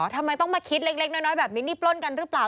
ทำไมต้องมาคิดเล็กน้อยแบบมินนี่ปล้นกันหรือเปล่า